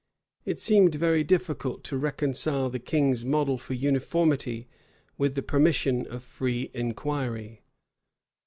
It seemed very difficult to reconcile the king's model for uniformity with the permission of free inquiry.